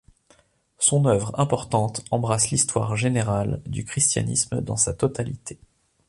Son œuvre, importante, embrasse l'histoire générale du christianisme, dans sa totalité.